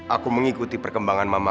aku mengikuti perkembangan mama